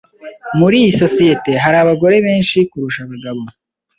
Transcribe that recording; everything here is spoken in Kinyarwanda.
Muri iyi sosiyete, hari abagore benshi kurusha abagabo.